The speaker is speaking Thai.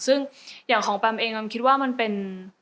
ซึ่งอย่างของแปมเองแปมคิดว่ามันเป็น